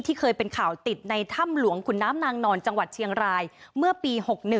เคยเป็นข่าวติดในถ้ำหลวงขุนน้ำนางนอนจังหวัดเชียงรายเมื่อปี๖๑